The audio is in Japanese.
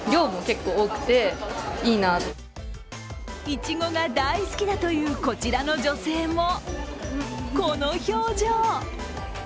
いちごが大好きだというこちらの女性もこの表情。